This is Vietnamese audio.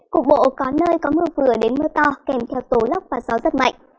cục bộ có nơi có mưa vừa đến mưa to kèm theo tố lốc và gió rất mạnh